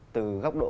từ góc độ